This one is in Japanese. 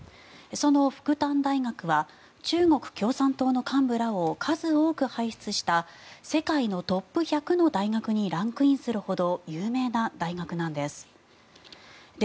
その復旦大学は中国共産党の幹部らを数多く輩出した世界のトップ１００の大学にランクインするほど有名な大学なんです。